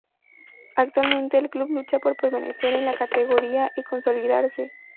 Actualmente el club lucha por permanecer en la categoría y consolidarse.